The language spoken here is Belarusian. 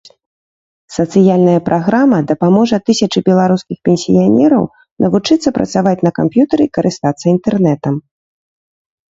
Сацыяльная праграма дапаможа тысячы беларускіх пенсіянераў навучыцца працаваць на камп'ютары і карыстацца інтэрнэтам.